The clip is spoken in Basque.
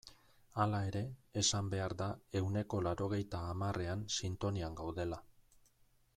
Hala ere, esan behar da ehuneko laurogeita hamarrean sintonian gaudela.